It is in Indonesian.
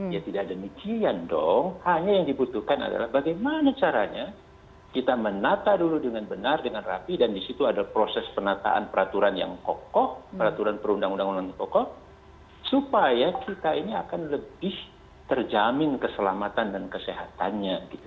ya tidak demikian dong hanya yang dibutuhkan adalah bagaimana caranya kita menata dulu dengan benar dengan rapi dan disitu ada proses penataan peraturan yang kokoh peraturan perundang undangan pokok supaya kita ini akan lebih terjamin keselamatan dan kesehatannya gitu